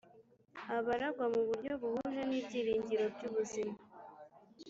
abaragwa mu buryo buhuje n ibyiringiro by ubuzima